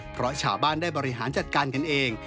เพราะชาวบ้านได้บริหารจัดการกันเอง